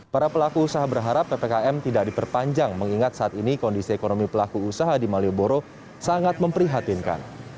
para pelaku usaha berharap ppkm tidak diperpanjang mengingat saat ini kondisi ekonomi pelaku usaha di malioboro sangat memprihatinkan